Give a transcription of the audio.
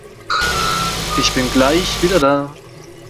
Ich bin gleich wieder da.